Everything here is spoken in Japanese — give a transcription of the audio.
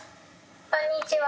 こんにちは。